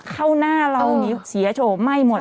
เข้าหน้าเราเสียโชว์ไหม้หมด